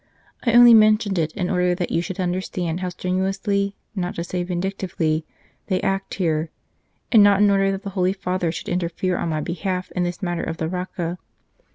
I only mentioned it in order that you should understand how strenuously, not to say vindictively, they act here, and not in order that the Holy Father should interfere on my behalf in this matter of the Rocca.